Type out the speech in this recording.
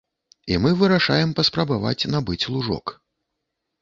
І мы вырашаем паспрабаваць набыць лужок.